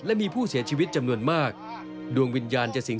และมีผู้เสียชีวิตจำนวนมากดวงวิญญาณจะสิ่ง